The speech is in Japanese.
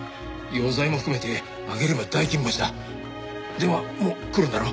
電話もう来るんだろ？